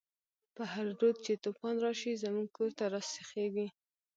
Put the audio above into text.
په هر رود چی توفان راشی، زموږ کور ته راسيخيږی